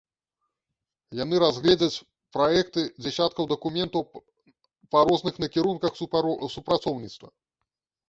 Яны разгледзяць праекты дзясяткаў дакументаў па розных накірунках супрацоўніцтва.